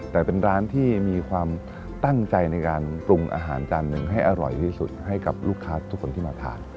แต่เป็นร้านที่มีความตั้งใจในการปรุงอาหารจานหนึ่งให้อร่อยที่สุดให้กับลูกค้าทุกคนที่มาทาน